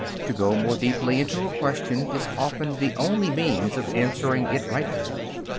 To go more deeply into a question is often the only means of answering it rightly.